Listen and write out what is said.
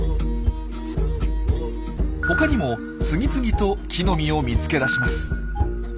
ほかにも次々と木の実を見つけ出します。